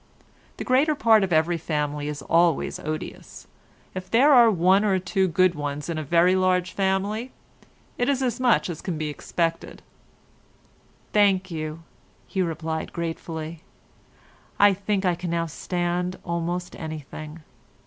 The greater part of every family is always odious; if there are one or two good ones in a very large family, it is as much as can be expected." "Thank you," he replied, gratefully, "I think I can now stand almost anything.